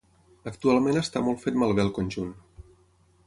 Actualment està molt fet malbé el conjunt.